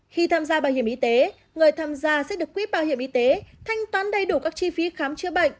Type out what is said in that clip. khi tham gia bảo hiểm y tế người tham gia sẽ được quỹ bảo hiểm y tế thanh toán đầy đủ các chi phí khám chữa bệnh